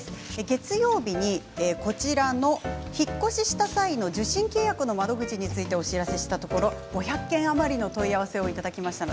月曜日に引っ越しした際の受信契約の窓口についてお知らせしたところ５００件余りの問い合わせをいただきました。